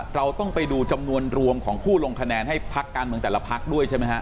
เราต้องไปดูจำนวนรวมของผู้ลงคะแนนให้พักการเมืองแต่ละพักด้วยใช่ไหมฮะ